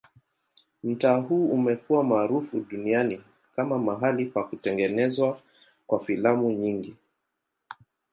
Mtaa huu umekuwa maarufu duniani kama mahali pa kutengenezwa kwa filamu nyingi.